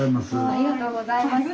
ありがとうございます。